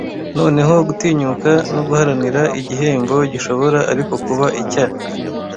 Noneho gutinyuka no guharanira - igihembo gishobora ariko kuba icya